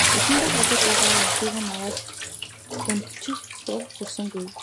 Нүдэндээ харагдаад байгаа архийг ч аваад хөнтөрчих дур хүрсэнгүй.